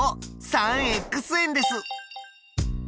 ３円です。